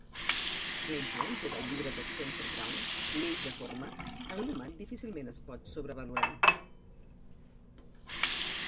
La influència del llibre de Spencer-Brown, "Lleis de forma", en Luhmann difícilment es pot sobrevalorar.